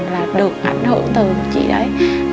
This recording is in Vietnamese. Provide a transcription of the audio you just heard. là được ảnh hưởng từ chị đấy